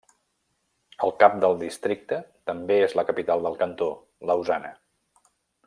El cap del districte també és la capital del cantó, Lausana.